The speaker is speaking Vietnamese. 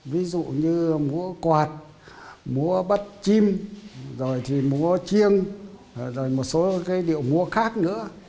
ví dụ như múa quạt múa bắt chim rồi thì múa chiêng rồi một số cái điệu múa khác nữa